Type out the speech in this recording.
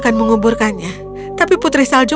akan menguburkannya tapi putri salju